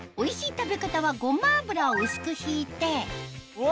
食べ方はごま油を薄く引いてうわ